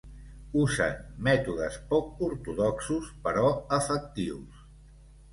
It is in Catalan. Usen mètodes poc ortodoxos però efectius.